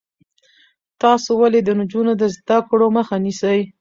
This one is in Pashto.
تاسو ولې د نجونو د زده کړو مخه نیسئ؟